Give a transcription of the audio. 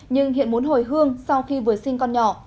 nhưng hiện muốn hồi hương sau khi vừa sinh con nhỏ